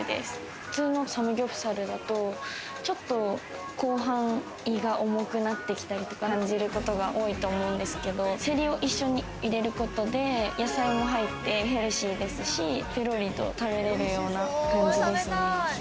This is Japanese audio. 普通のサムギョプサルだと、ちょっと後半、胃が重くなってきたりとか感じることが多いと思うんですけどセリを一緒に入れることで野菜も入ってヘルシーですし、ペロリと食べれるような感じです。